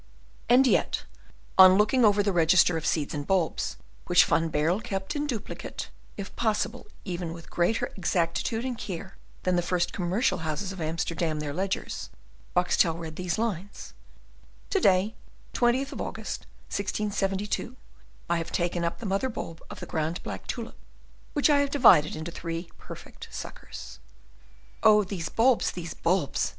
And yet, on looking over the register of seeds and bulbs, which Van Baerle kept in duplicate, if possible even with greater exactitude and care than the first commercial houses of Amsterdam their ledgers, Boxtel read these lines: "To day, 20th of August, 1672, I have taken up the mother bulb of the grand black tulip, which I have divided into three perfect suckers." "Oh these bulbs, these bulbs!"